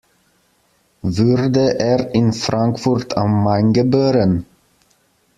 Wurde er in Frankfurt am Main geboren?